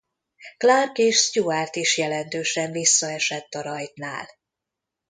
Clark és Stewart is jelentősen visszaesett a rajtnál.